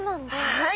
はい。